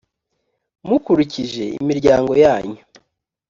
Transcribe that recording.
mukurikije imiryango yanyu